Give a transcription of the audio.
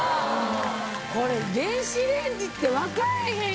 これ電子レンジって分からへん